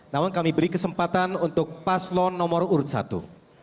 namun kami beri kesempatan untuk paslon nomor urut satu